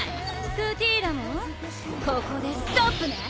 クティーラモンここでストップね！